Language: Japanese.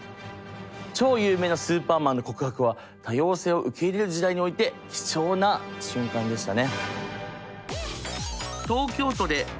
超有名なスーパーマンの告白は多様性を受け入れる時代において貴重な瞬間でしたね。